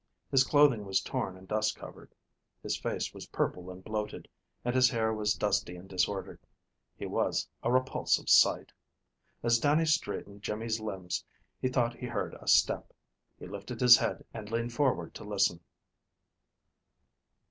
His clothing was torn and dust covered, his face was purple and bloated, and his hair was dusty and disordered. He was a repulsive sight. As Dannie straightened Jimmy's limbs he thought he heard a step. He lifted his head and leaned forward to listen.